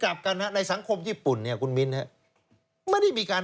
กลับกันในสังคมญี่ปุ่นคุณมิ้น